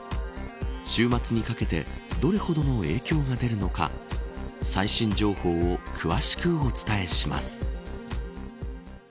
週末にかけてどれほどの影響が出るのか最新情報を詳しくお伝えします。